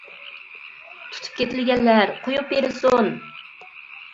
تۇتۇپ كېتىلگەنلەر قويۇپ بېرىلسۇن !